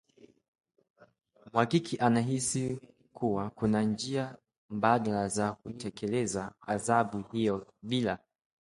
Mhakiki anahisi kuwa kuna njia mbadala za kutekeleza adhabu hiyo bila